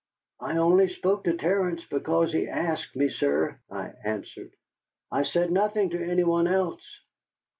"I only spoke to Terence because he asked me, sir," I answered. "I said nothing to any one else."